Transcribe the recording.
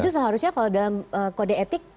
itu seharusnya kalau dalam kode etik